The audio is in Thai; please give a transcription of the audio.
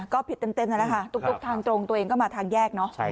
ก็ผิดเต็มนั่นแหละค่ะตุ๊กทางตรงตัวเองก็มาทางแยกเนอะ